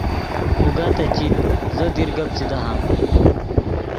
اوگا تے چیت زو دیر گپ چے دہام